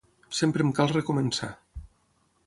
Sempre em cal recomençar.